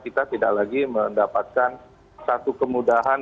kita tidak lagi mendapatkan satu kemudahan